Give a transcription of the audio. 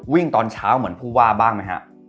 วิ่งตอนเช้าเหมือนผู้ว่าบ้างมั้ยฮะ